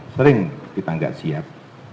sering kita enggak siap